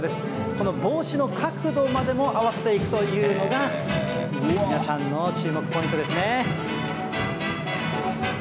この帽子の角度までも合わせていくというのが、皆さんの注目ポイントですね。